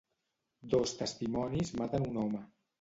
Dos testimonis maten un home.